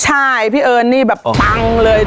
ใช่พี่เอิญนี่แบบปังเลย